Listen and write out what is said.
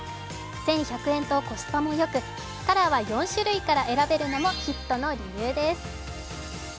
１１００円とコスパもよくカラーは４種類から選べるのもヒットの理由です。